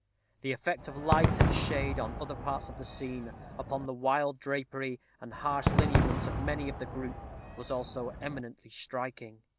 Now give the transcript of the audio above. The effect of light and shade on other parts of the scene, upon the wild drapery, and harsh lineaments of many of the group, was also eminently striking.